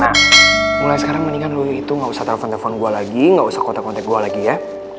nah mulai sekarang mendingan lu itu gak usah telepon telepon gue lagi gak usah kontak kontak gue lagi ya